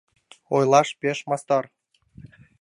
Ойлаш пеш мастар...